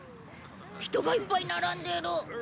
人がいっぱい並んでる。